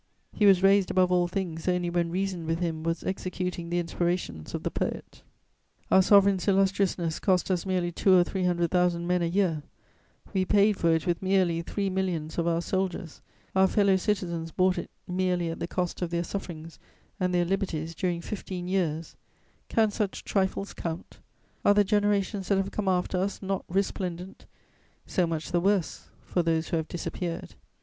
He was raised above all things only when reason with him was executing the inspirations of the poet. [Sidenote A true appreciation.] Our sovereign's illustriousness cost us merely two or three hundred thousand men a year; we paid for it with merely three millions of our soldiers; our fellow citizens bought it merely at the cost of their sufferings and their liberties during fifteen years: can such trifles count? Are the generations that have come after us not resplendent? So much the worse for those who have disappeared!